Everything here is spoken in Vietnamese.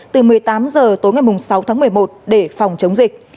từ một mươi tám h tối ngày sáu tháng một mươi một để phòng chống dịch